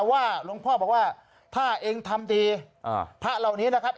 ว่าหลวงพ่อบอกว่าถ้าเองทำดีพระเหล่านี้นะครับ